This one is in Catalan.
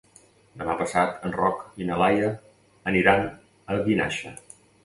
Demà passat en Roc i na Laia aniran a Vinaixa.